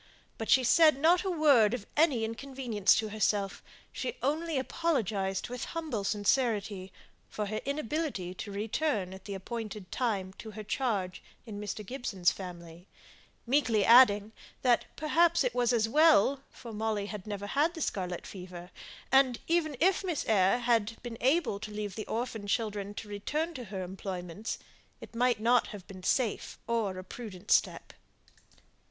But she said not a word of any inconvenience to herself; she only apologized with humble sincerity for her inability to return at the appointed time to her charge in Mr. Gibson's family; meekly adding, that perhaps it was as well, for Molly had never had the scarlet fever, and even if Miss Eyre had been able to leave the orphan children to return to her employments, it might not have been a safe or a prudent step.